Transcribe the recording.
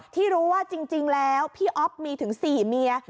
ที่รู้ว่าจริงแล้วพี่อ๊อฟมีถึง๔เมีย